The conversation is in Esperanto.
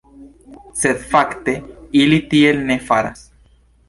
Sed fakte ili tiel ne faras.